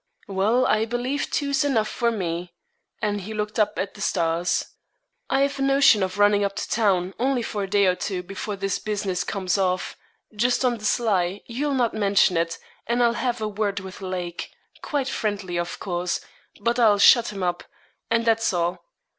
'Well, I believe two's enough for me,' and he looked up at the stars. 'I've a notion of running up to town, only for a day or two, before this business comes off, just on the sly; you'll not mention it, and I'll have a word with Lake, quite friendly, of course; but I'll shut him up, and that's all.